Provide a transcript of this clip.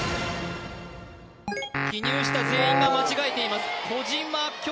記入した全員が間違えています小島京